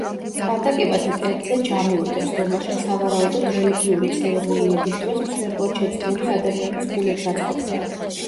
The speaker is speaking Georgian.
ქანდაკებას მკერდზე ჯამი უდევს, რომელშიც სავარაუდოდ რელიგიური ცერემონიების დროს მსხვერპლად შეწირული ადამიანის გულებს აწყობდნენ.